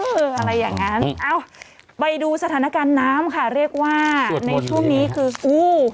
อะไรอย่างนั้นเอ้าไปดูสถานการณ์น้ำค่ะเรียกว่าในช่วงนี้คืออู้